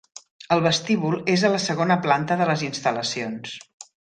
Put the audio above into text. El vestíbul és a la segona planta de les instal·lacions.